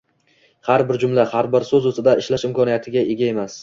har bir jumla, har bir so‘z ustida ishlash imkoniga ega emas.